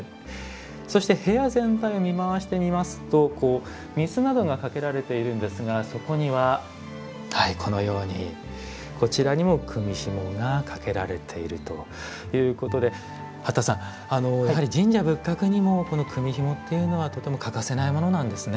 そして部屋全体を見回してみますと御簾などがかけられているんですがそこにははいこのようにこちらにも組みひもがかけられているということで八田さんやはり神社仏閣にもこの組みひもっていうのはとても欠かせないものなんですね。